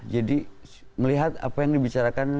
jadi melihat apa yang dibicarakan